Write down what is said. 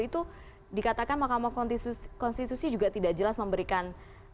itu dikatakan mahkamah konstitusi juga tidak jelas memberikan